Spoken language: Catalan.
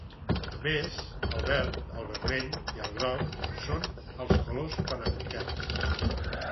A més, el verd, el vermell i el groc són els colors panafricans.